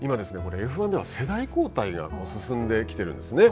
今Ｆ１では世代交代が進んできているんですね。